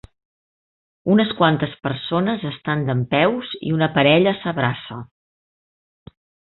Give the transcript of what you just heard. Unes quantes persones estan dempeus i una parella s'abraça.